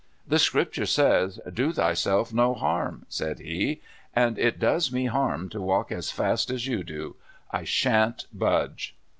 *' The Scripture says, 'Do thyself no harm,'" said he, '* and it does me harm to walk as fast as you do. I shan't budge."